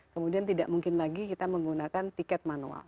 kemudian tidak mungkin lagi kita menggunakan tiket manual